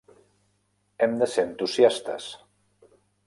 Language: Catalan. Hem de ser entusiastes.